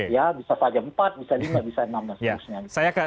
ya bisa saja empat bisa lima bisa enam dan seterusnya